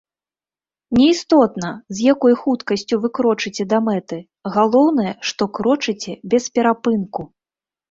Не істотна, з якой хуткасцю вы крочыце да мэты, галоўнае, што крочыце без перапынку!